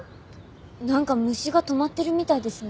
なんか虫が止まってるみたいですね。